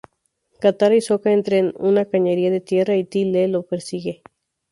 Katara y Sokka entran en una "Cañería de Tierra", y Ty Lee los persigue.